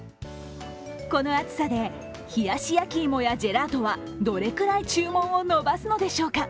この暑さで冷やし焼き芋やジェラートはどれくらい注文を伸ばすのでしょうか。